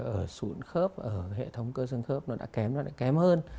ở sụn khớp ở hệ thống cơ xương khớp nó đã kém nó đã kém hơn